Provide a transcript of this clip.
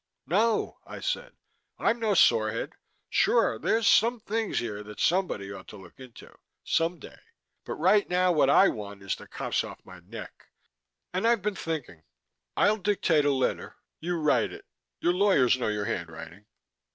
"No," I said. "I'm no sorehead. Sure, there's some things here that somebody ought to look into some day. But right now what I want is the cops off my neck. And I've been thinking. I'll dictate a letter; you write it your lawyers know your handwriting.